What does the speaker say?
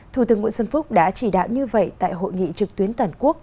thủ tướng nguyễn xuân phúc đã chỉ đạo như vậy tại hội nghị trực tuyến toàn quốc